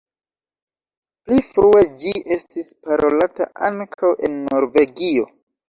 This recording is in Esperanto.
Pli frue ĝi estis parolata ankaŭ en Norvegio.